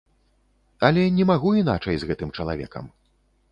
Але не магу іначай з гэтым чалавекам.